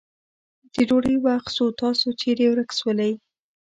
د ډوډی وخت سو تاسو چیري ورک سولې.